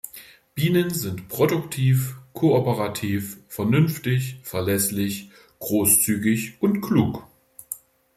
Bienen sind produktiv, kooperativ, vernünftig, verlässlich, großzügig und klug.